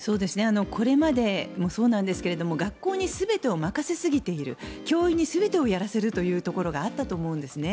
これまでもそうですが学校に全てを任せすぎている教員に全てをやらせるというところがあったと思うんですね。